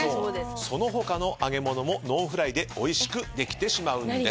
その他の揚げ物もノンフライでおいしくできてしまうんです。